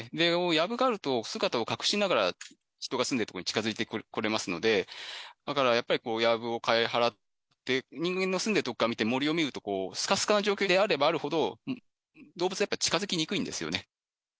やぶがあると、姿を隠しながら人が住んでる所に近づいてこれますので、だからやっぱりやぶを刈り払って、人間の住んでる所から見て森を見ると、すかすかな状況であればあるほど、動物はやっぱり近づきにくいんですよね。